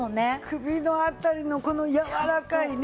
首の辺りのこの柔らかいね。